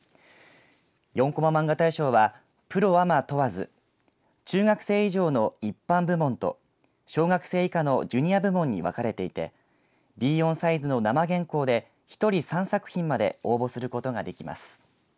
４コマまんが大賞はプロ、アマ問わず中学生以上の一般部門と小学生以下のジュニア部門に分かれていてＢ４サイズの生原稿で１人３作品まで応募することができます。